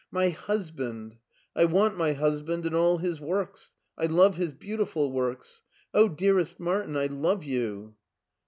My husband! I want my husband and all his works. I love his beautiful works. Oh, dearest Martin, I love you."